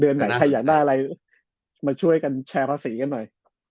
ไหนใครอยากได้อะไรมาช่วยกันแชร์ภาษีกันหน่อย